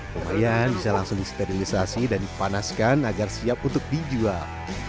lumayan bisa langsung disterilisasi dan dipanaskan agar siap untuk dijual